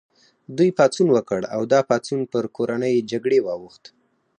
دوی پاڅون وکړ او دا پاڅون پر کورنۍ جګړې واوښت.